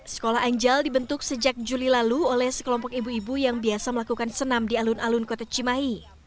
sekolah angel dibentuk sejak juli lalu oleh sekelompok ibu ibu yang biasa melakukan senam di alun alun kota cimahi